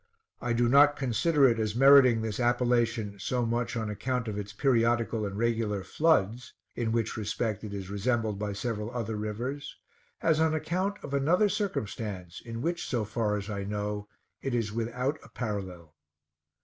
I do not consider it as meriting this appellation so much on account of its periodical and regular floods, in which respect it is resembled by several other rivers, as on account of another circumstance, in which, so far as I know, it is without a parallel.